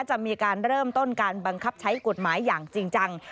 จะมีการเริ่มต้นการบังคับใช้กฎหมายอย่างจริงจัง